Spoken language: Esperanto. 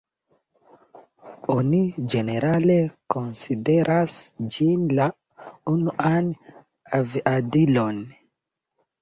Oni ĝenerale konsideras ĝin la unuan aviadilon.